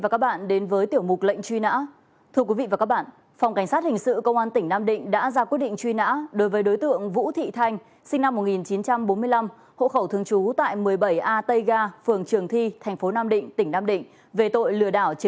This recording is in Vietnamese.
cảm ơn các bạn đã theo dõi